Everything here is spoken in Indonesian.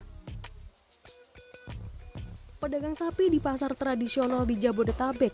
pada hari ini pedagang sapi di pasar tradisional di jabodetabek